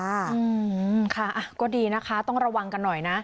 อืมค่ะก็ดีนะคะต้องระวังกันหน่อยนะ